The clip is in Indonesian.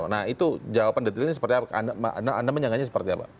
nah itu jawaban detailnya seperti apa anda menyangkanya seperti apa